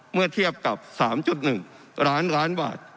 เมื่อเทียบกับ๓๑ล้านล้านบาท